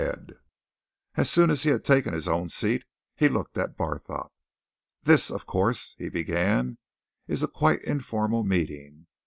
And as soon as he had taken his own seat, he looked at Barthorpe. "This, of course," he began, "is a quite informal meeting.